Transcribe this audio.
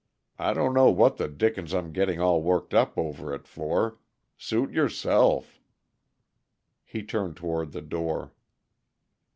I don't know what the dickens I'm getting all worked up over it for. Suit yourself." He turned toward the door.